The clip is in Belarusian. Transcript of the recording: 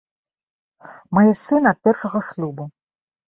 Мае сына ад першага шлюбу.